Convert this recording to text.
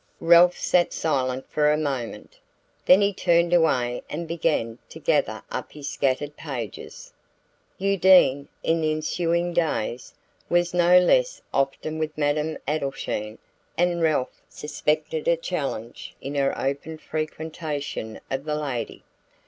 Ralph sat silent for a moment then he turned away and began to gather up his scattered pages. Undine, in the ensuing days, was no less often with Madame Adelschein, and Ralph suspected a challenge in her open frequentation of the lady.